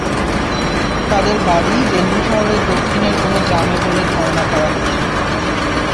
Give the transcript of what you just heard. তাঁদের বাড়ি জেনিন শহরের দক্ষিণের কোনো গ্রামে বলে ধারণা করা হচ্ছে।